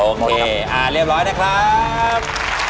โอเคอ่าเรียบร้อยนะครับ